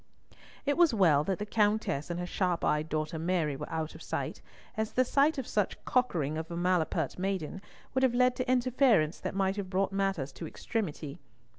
It was well that the Countess and her sharp eyed daughter Mary were out of sight, as the sight of such "cockering of a malapert maiden" would have led to interference that might have brought matters to extremity.